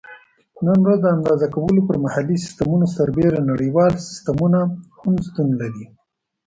نن ورځ د اندازه کولو پر محلي سیسټمونو سربیره نړیوال سیسټمونه هم شتون لري.